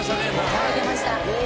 はい出ました。